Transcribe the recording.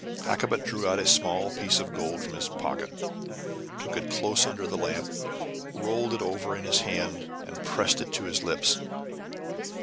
Hakkabut drew out a small piece of gold from his pocket, took it close under the lamp, rolled it over in his hand, and pressed it to his lips.